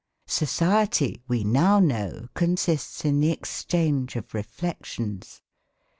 Society, we now know, consists in the exchange of reflections.